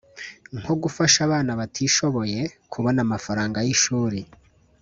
nko gufasha abana batishoboye kubona amafaranga y’ishuri…